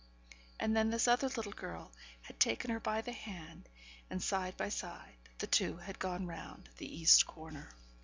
And then this other little girl had taken her by the hand, and side by side the two had gone round the east corner.